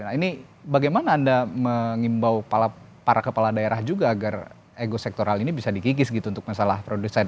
nah ini bagaimana anda mengimbau para kepala daerah juga agar ego sektoral ini bisa dikikis gitu untuk masalah produksi sampah di wilayah ini